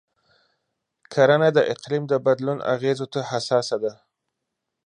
کرنه د اقلیم د بدلون اغېزو ته حساسه ده.